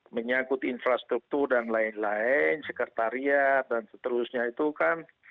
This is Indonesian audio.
menyangkut infrastruktur dan lain lain sekretariat dan seterusnya itu kan